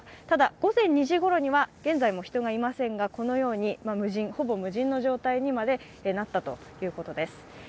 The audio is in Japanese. ただ、午前２時ごろには、現在も人がいませんがこのようにほぼ無人の状態にまでなったということです。